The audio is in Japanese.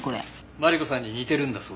マリコさんに似てるんだそうです。